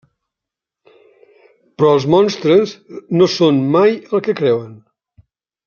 Però els monstres no són mai el que creuen.